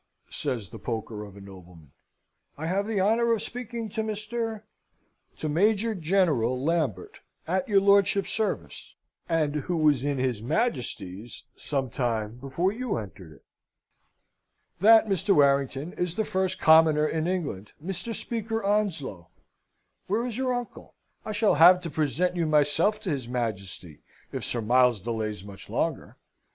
says the poker of a nobleman. "I have the honour of speaking to Mr. ?" "To Major General Lambert, at your lordship's service, and who was in his Majesty's some time before you entered it. That, Mr. Warrington, is the first commoner in England, Mr. Speaker Onslow. Where is your uncle? I shall have to present you myself to his Majesty if Sir Miles delays much longer."